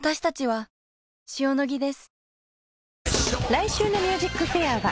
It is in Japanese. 来週の『ＭＵＳＩＣＦＡＩＲ』は．